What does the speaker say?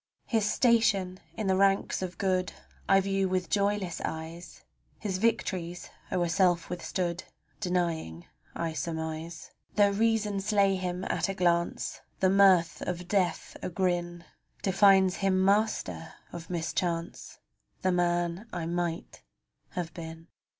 His station in the ranks of good I view with joyless eyes; His victories o'er self withstood Denying I surmise. Tho' reason slay him at a glance, The mirth of Death agrin Defines him master of mischance — The man I might have been.